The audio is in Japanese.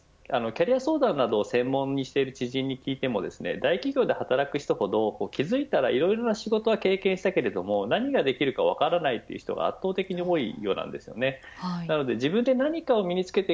キャリア相談などを専門にしている知人に聞いても大企業で働く人ほど気付いたら、いろいろな仕事を経験したが、何ができるか分からないという人が圧倒的に多いです。